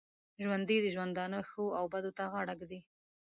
ژوندي د ژوندانه ښو او بدو ته غاړه ږدي